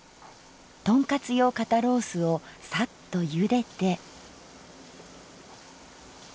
とんかつ用肩ロースをサッとゆでて。